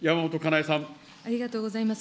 ありがとうございます。